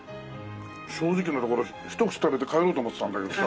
正直なところ一口食べて帰ろうと思ってたんだけどさ。